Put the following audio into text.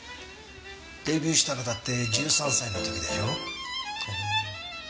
デビューしたのだって１３歳の時だよ。